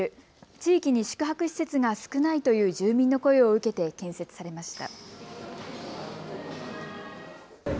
地域に宿泊施設が少ないという住民の声を受けて建設されました。